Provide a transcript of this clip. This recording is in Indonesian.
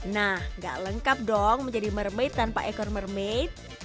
nah gak lengkap dong menjadi mermai tanpa ekor mermaid